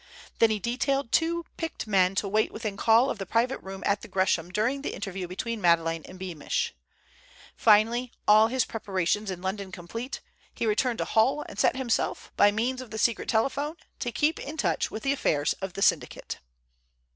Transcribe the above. Then he detailed two picked men to wait within call of the private room at the Gresham during the interview between Madeleine and Beamish. Finally, all his preparations in London complete, he returned to Hull, and set himself, by means of the secret telephone, to keep in touch with the affairs of the syndicate.